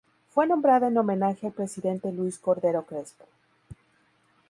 Fue nombrada en homenaje al presidente Luis Cordero Crespo.